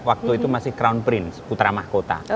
waktu itu masih crown prince putra mahkota